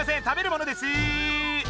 食べるものです！